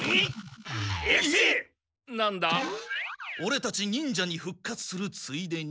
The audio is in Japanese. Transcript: オレたち忍者にふっ活するついでに。